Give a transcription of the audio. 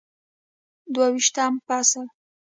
دوه ویشتم فصل